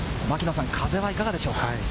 風はいかがでしょうか？